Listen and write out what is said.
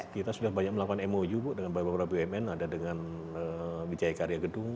kita sudah banyak melakukan mou bu dengan beberapa bumn ada dengan wijaya karya gedung